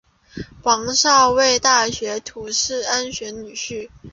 王诏为大学士曹鼐女婿。